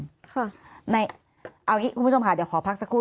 เอาอย่างนี้คุณผู้ชมค่ะเดี๋ยวขอพักสักครู่